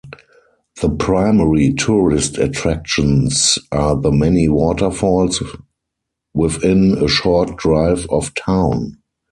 The primary tourist attractions are the many waterfalls within a short drive of town.